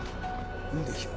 いいでしょう。